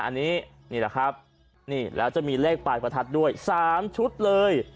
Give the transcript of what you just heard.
อันนี้นี่แหละครับนี่แล้วจะมีเลขปลายประทัดด้วย๓ชุดเลย